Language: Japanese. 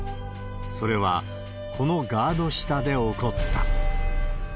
それは、このガード下で起こった。